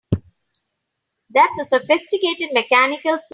That's a sophisticated mechanical system!